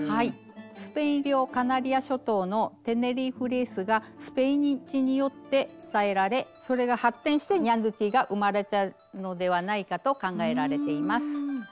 スペイン領カナリア諸島の「テネリーフレース」がスペイン人によって伝えられそれが発展してニャンドゥティが生まれたのではないかと考えられています。